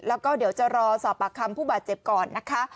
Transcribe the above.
แล้วก็เดี๋ยวจะรอสอบปากคำผู้บาดเจ็บก่อนนะคะ